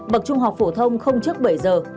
bậc trung học phổ thông không trước bảy h